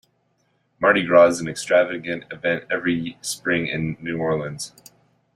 Mardi Gras is an extravagant event every spring in New Orleans.